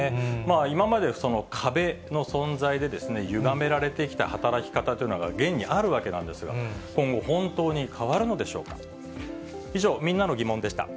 今までその壁の存在でゆがめられてきた働き方というのが現にあるわけなんですが、今後、本当に変わるのでしょうか。